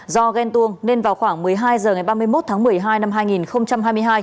do ghen tuông nên vào khoảng một mươi hai h ngày ba mươi một tháng một mươi hai năm hai nghìn hai mươi hai